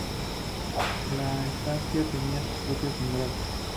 La estancia tenía sus propios sembrados.